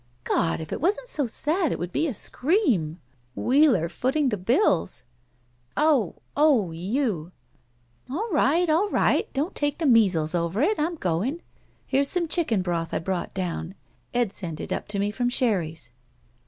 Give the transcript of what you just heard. "God! if it wasn't so sad it would be a scream — Wheeler footing the bills!" "Oh— you! Oh oh— you!" "All right, all right! Don't take the measles over it. I'm going. Here's some chicken broth I brought down. Ed sent it up to me from Sherry's."